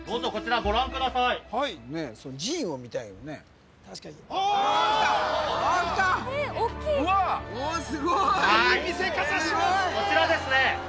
はいこちらですね